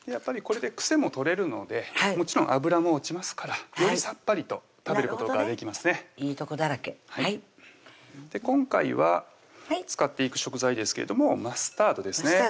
これで癖も取れるのでもちろん脂も落ちますからよりさっぱりと食べることができますねいいとこだらけはい今回は使っていく食材ですけれどもマスタードですね